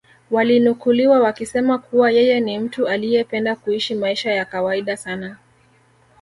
walinukuliwa wakisema kuwa yeye ni mtu aliyependa kuishi maisha ya kawaida sana